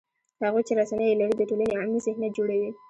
هغوی چې رسنۍ یې لري، د ټولنې عمومي ذهنیت جوړوي